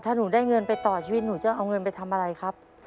ถ้าหนูได้เงินไปต่อชีวิตหนูจะเอาเงินไปทำอะไรครับ